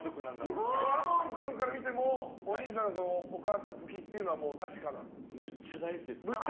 弟さんから見てもお兄さんのお母さん好きっていうのはむっちゃ大好きですね。